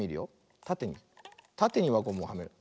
たてにわゴムをはめる。